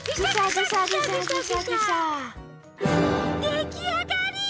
できあがり！